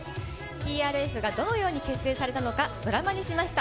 ＴＲＦがどのように結成されたのか、ドラマにしました。